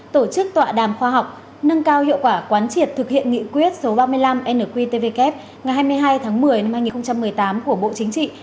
tổ chức tọa đàm khoa học nâng cao hiệu quả quán triệt thực hiện nghị quyết số ba mươi năm nqtvk ngày hai mươi hai tháng một mươi năm hai nghìn một mươi tám của bộ chính trị